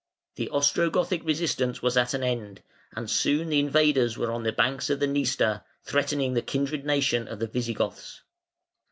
The Ostrogothic resistance was at an end; and soon the invaders were on the banks of the Dniester threatening the kindred nation of the Visigoths.